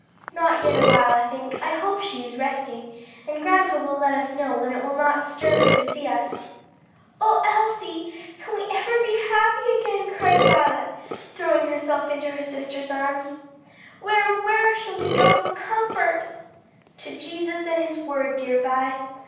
"Not yet awhile, I think I hope she is resting; and grandpa will let us know when it will not disturb her to see us." "O Elsie, can we ever be happy again?" cried Violet, throwing herself into her sister's arms. "Where, where shall we go for comfort?" "To Jesus and His word, dear Vi.